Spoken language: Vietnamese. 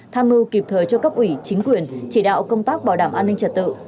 tham mưu kịp thời cho cấp ủy chính quyền chỉ đạo công tác bảo đảm an ninh trật tự